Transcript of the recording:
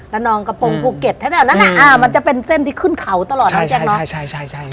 ละนองกระโปรงภูเก็ตแถวนั้นนะมันจะเป็นเส้นที่ขึ้นเข่าตลอดนะแจ๊งน้อง